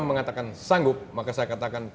mengatakan sanggup maka saya katakan